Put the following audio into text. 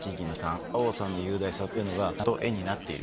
蔵王山の雄大さっていうのがちゃんと絵になっている。